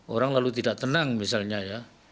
orang lalu tidak tenang misalnya ya